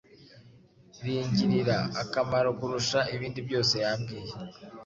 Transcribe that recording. ringirira akamaro kurusha ibindi byose yambwiye.